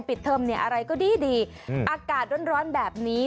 ปิดเทิมอะไรก็ดีอากาศร้อนแบบนี้